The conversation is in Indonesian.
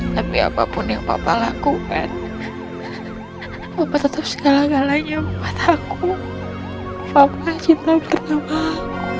tapi apapun yang bapak lakukan bapak tetap segala galanya buat aku bapak cinta pertama aku